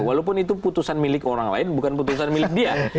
walaupun itu putusan milik orang lain bukan putusan milik dia